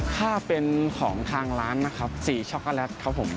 ถ้าเป็นของทางร้านนะครับสีช็อกโกแลตครับผม